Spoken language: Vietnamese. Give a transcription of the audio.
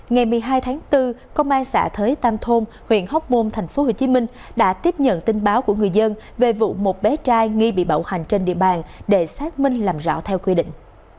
ngày một mươi hai tháng bốn công an xã thới tam thôn huyện hóc môn tp hcm đã tiếp nhận tin báo của người dân về vụ một bé trai nghi bị bạo hành trên địa bàn để xác minh làm rõ theo quy định